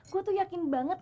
gue tuh yakin banget